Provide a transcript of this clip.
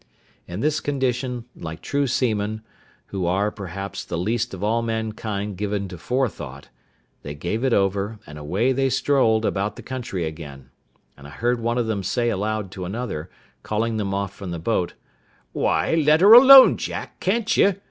In this condition, like true seamen, who are, perhaps, the least of all mankind given to forethought, they gave it over, and away they strolled about the country again; and I heard one of them say aloud to another, calling them off from the boat, "Why, let her alone, Jack, can't you?